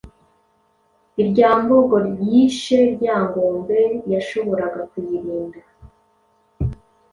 Irya mbogo yishe Ryangombe yashoboraga kuyirinda.